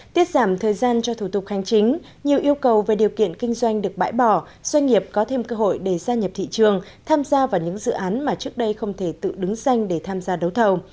tiết giảm thời gian cho thủ tục hành chính nhiều yêu cầu về điều kiện kinh doanh được bãi bỏ doanh nghiệp có thêm cơ hội để gia nhập thị trường tham gia vào những dự án mà trước đây không thể tự đứng xanh để tham gia đấu thầu